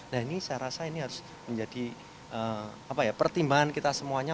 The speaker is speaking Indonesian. nah ini saya rasa ini harus menjadi pertimbangan kita semuanya